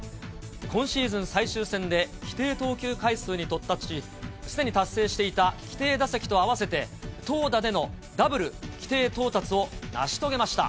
今シーズン最終戦で、規定投球回数に到達し、すでに達成していた規定打席と合わせて、投打でのダブル規定到達を成し遂げました。